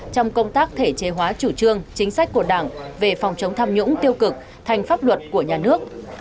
trong công tác thể chế hóa chủ trương chính sách của đảng về phòng chống tham nhũng tiêu cực thành pháp luật của nhà nước